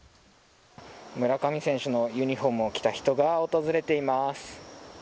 村上選手のユニホームを着た人が訪れています。